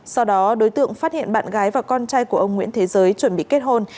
sau đó đối tượng phát hiện bạn gái và con trai của ông nguyễn thế giới chuẩn bị kết hôn